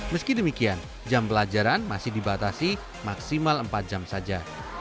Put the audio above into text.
meski demikian jam pelajaran masih dibatasi maksimal empat jam saja